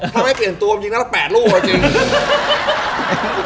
ถ้าไม่เขียนตัวมันยิงนั้นละ๘ลูกอ่ะจริง